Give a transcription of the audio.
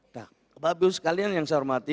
nah bapak ibu sekalian yang saya hormati